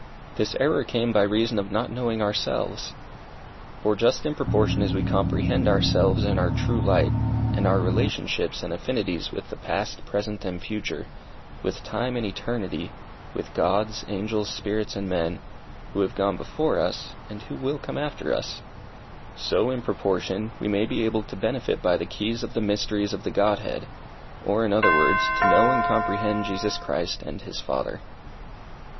This error came by reason of not knowing ourselves. For just in proportion as we comprehend ourselves in our true light, and our relationships and affinities with the past, present and future, with time and eternity, with Gods, angels, spirits and men, who have gone before us, and who will come after us, so, in proportion, we may be able to benefit by the keys of the mysteries of the Godhead, or, in other words, to know and comprehend Jesus Christ and his Father.